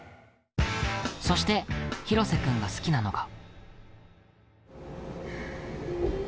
そして、廣瀬君が好きなのが。